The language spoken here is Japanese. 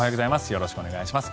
よろしくお願いします。